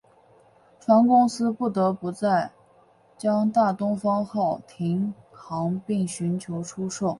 船公司不得不在将大东方号停航并寻求出售。